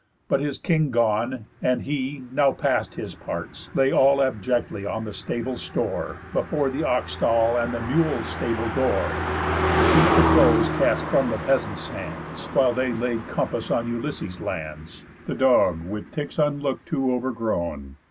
But his king gone, and he, now past his parts, Lay all abjectly on the stable's store, Before the oxstall, and mules' stable door, To keep the clothes cast from the peasants' hands, While they laid compass on Ulysses' lands, The dog, with ticks (unlook'd to) overgrown.